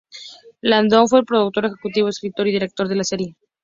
Landon fue el productor ejecutivo, escritor y director de la serie.